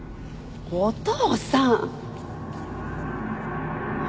お父さん！